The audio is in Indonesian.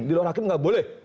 di luar hakim nggak boleh